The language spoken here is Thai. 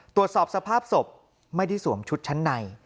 ตรวจสอบสภาพศพไม่ได้สวมชุดชั้นใน